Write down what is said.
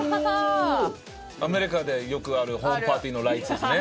アメリカでよくあるホームパーティーのライツですね。